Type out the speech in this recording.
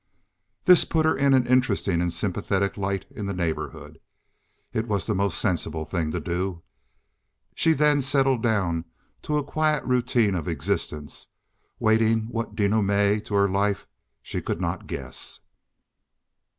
This put her in an interesting and sympathetic light in the neighborhood. It was the most sensible thing to do. She then settled down to a quiet routine of existence, waiting what dénouement to her life she could not guess.